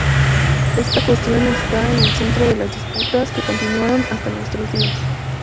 Esta cuestión está en el centro de disputas que continuaron hasta nuestros días.